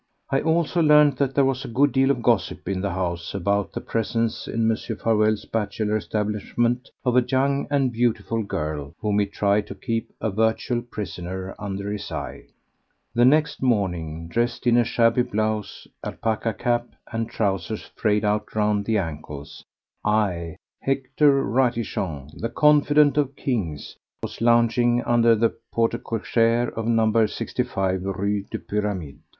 I also learned that there was a good deal of gossip in the house anent the presence in Mr. Farewell's bachelor establishment of a young and beautiful girl, whom he tried to keep a virtual prisoner under his eye. The next morning, dressed in a shabby blouse, alpaca cap, and trousers frayed out round the ankles, I—Hector Ratichon, the confidant of kings—was lounging under the porte cochere of No. 65 Rue des Pyramides.